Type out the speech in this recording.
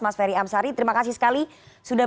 mas ferry amsari terima kasih sekali sudah